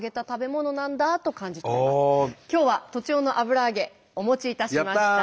今日は栃尾の油揚げお持ちいたしました。